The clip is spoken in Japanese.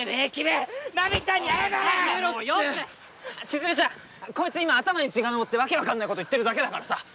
千鶴ちゃんこいつ今頭に血が上って訳分かんないこと言ってるだけだからさ